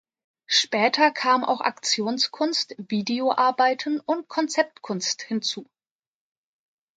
Später kam auch Aktionskunst, Videoarbeiten und Konzeptkunst hinzu.